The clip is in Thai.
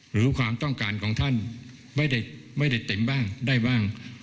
หรือความต้องการของท่านไม่ได้เต็มบ้างได้บ้าง